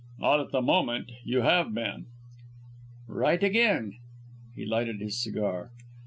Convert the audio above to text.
"Not at the moment. You have been." "Right again." He lighted his cigar.